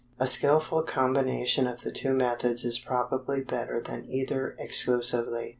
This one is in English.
A skillful combination of the two methods is probably better than either exclusively."